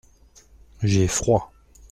J’ai froid.